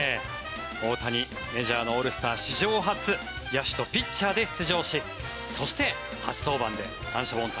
大谷、メジャーのオールスター史上初野手とピッチャーで出場しそして初登板で三者凡退